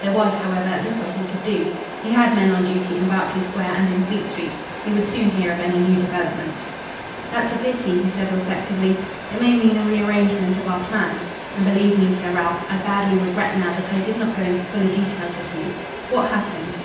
There was, however, little he could do. He had men on duty in Berkeley Square and in Fleet Street. He would soon hear of any new developments. "That's a pity," he said reflectively. "It may mean a re arrangement of our plans. And believe me, Sir Ralph, I badly regret now that I did not go into fuller details with you. What happened?"